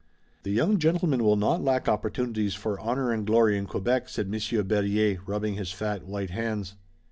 "The young gentleman will not lack opportunities for honor and glory in Quebec," said Monsieur Berryer, rubbing his fat, white hands.